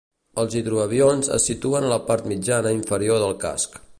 Els hidroavions es situen a la part mitjana inferior del casc.